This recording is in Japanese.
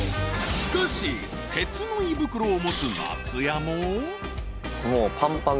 ［しかし鉄の胃袋を持つ松也も］